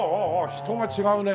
人が違うね。